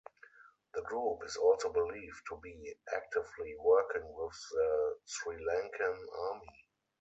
The group is also believed to be actively working with the Sri Lankan Army.